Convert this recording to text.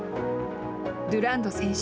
ドゥランド選手